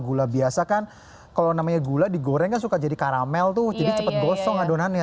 gula biasa kan kalau namanya gula digoreng kan suka jadi karamel tuh jadi cepet gosong adonannya